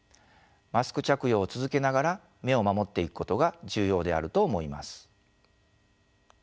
マスク着用を続けながら目を守っていくことが重要であると思います。